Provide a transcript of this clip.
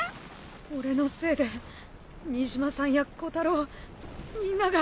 俺のせいで新島さんやコタロウみんなが。